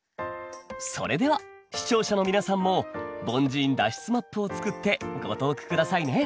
それでは視聴者の皆さんも「凡人脱出マップ」を作ってご投句下さいね。